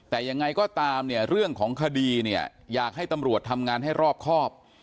แต่ยังไงก็ตามเนี่ยเรื่องของคดีเนี่ยอยากให้ตำรวจทำงานให้รอบครอบ